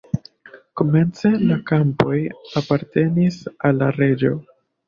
Komence la kampoj apartenis al la reĝo.